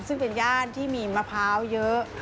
ซึ่งเป็นย่านที่มีมะพร้าวเยอะ